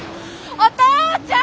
お父ちゃん！